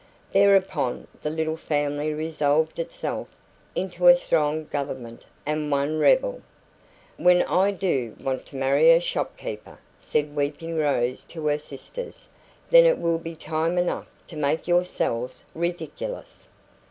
Thereupon the little family resolved itself into a strong government and one rebel. "When I DO want to marry a shopkeeper," said weeping Rose to her sisters, "then it will be time enough to make yourselves ridiculous."